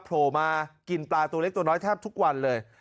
โผล่มากินปลาตัวเล็กตัวน้อยแทบทุกวันเลย